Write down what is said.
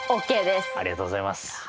ありがとうございます。